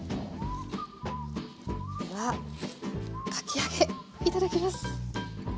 ではかき揚げいただきます！